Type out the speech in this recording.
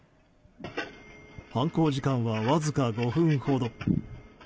犯行時間はわずか５分ほど。